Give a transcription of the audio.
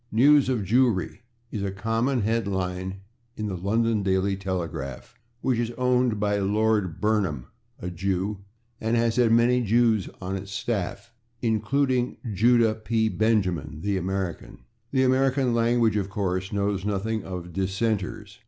"News of /Jewry/" is a common head line in the /London Daily Telegraph/, which is owned by Lord Burnham, a Jew, and has had many Jews on its staff, including Judah P. Benjamin, the American. The American language, of course, knows nothing of /dissenters